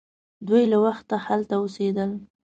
دوی له وخته هلته اوسیدل.